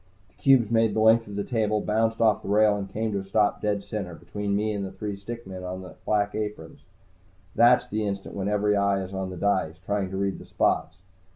The cubes made the length of the table, bounced off the rail and came to a stop dead center, between me and the three stick men in the black aprons. That's the instant when every eye is on the dice, trying to read the spots.